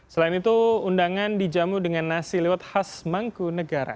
selain itu undangan dijamu dengan nasi lewat khas mangkunegara